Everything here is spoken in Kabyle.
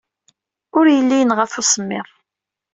Ur yelli yenɣa-t usemmiḍ.